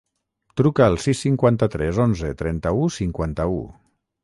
Truca al sis, cinquanta-tres, onze, trenta-u, cinquanta-u.